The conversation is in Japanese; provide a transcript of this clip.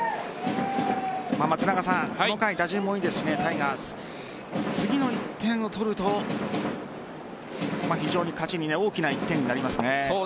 松中さんこの回、打順もいいですしタイガース、次の１点を取ると非常に勝ちに大きな１点になりますね。